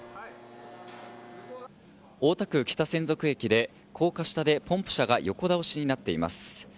大田区北千束駅で高架下でポンプ車が横倒しになっています。